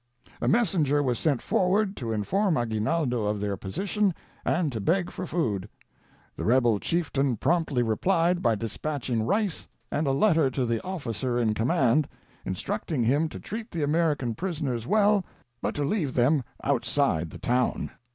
" A messenger was sent forward to inform Aguinaldo of their posi tion and to 1>eg for food. The rebel chieftain promptly replied by de spatching rice and a letter to the officer in command, instructing him to treat the American prisoners well, but to leave them outside the town.